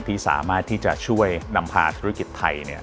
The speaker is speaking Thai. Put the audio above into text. ที่สามารถที่จะช่วยนำพาธุรกิจไทย